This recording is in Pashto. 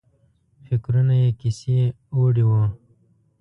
فکرونه یې کیسې وړي وو.